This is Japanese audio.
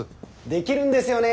できるんですよね